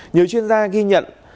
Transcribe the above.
nhiều chuyên gia ghi nhận